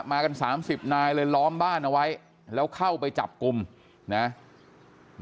มากันสามสิบนายเลยล้อมบ้านเอาไว้แล้วเข้าไปจับกลุ่มนะ